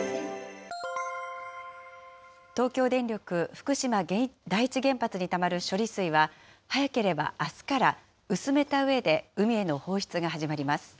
東京電力福島第一原発にたまる処理水は、早ければあすから、薄めたうえで海への放出が始まります。